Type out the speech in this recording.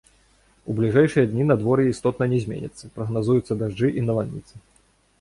У бліжэйшыя дні надвор'е істотна не зменіцца, прагназуюцца дажджы і навальніцы.